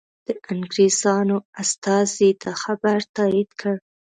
د انګریزانو استازي دا خبر تایید کړ.